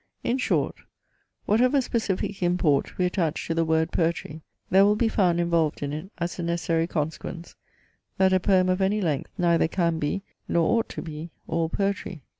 In short, whatever specific import we attach to the word, Poetry, there will be found involved in it, as a necessary consequence, that a poem of any length neither can be, nor ought to be, all poetry.